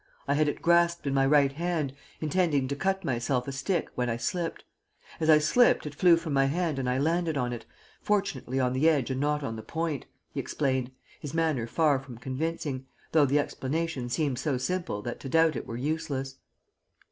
I had it grasped in my right hand, intending to cut myself a stick, when I slipped. As I slipped it flew from my hand and I landed on it, fortunately on the edge and not on the point," he explained, his manner far from convincing, though the explanation seemed so simple that to doubt it were useless.